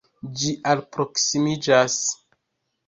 Ĝi alproksimiĝas.